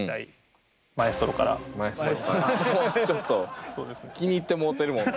ちょっと気に入ってもうてるもん。